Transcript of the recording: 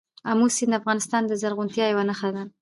آمو سیند د افغانستان د زرغونتیا یوه نښه ده.